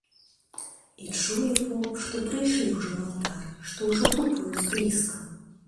І чуе поп, што прыйшлі ўжо ў алтар, што ўжо тупаюць блізка.